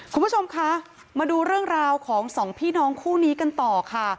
คุณผู้ชมคะมาดูเรื่องราวของสองพี่น้องคู่นี้กันต่อค่ะ